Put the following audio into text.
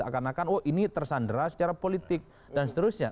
akan akan oh ini tersandera secara politik dan seterusnya